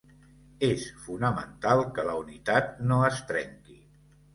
És fonamental que la unitat no es trenqui.